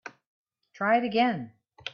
Try it again.